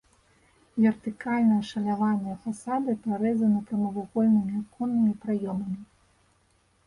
Вертыкальна ашаляваныя фасады прарэзаны прамавугольнымі аконнымі праёмамі.